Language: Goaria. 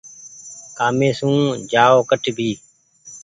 ڪآمي سون جآئو ڪٺ ڀي۔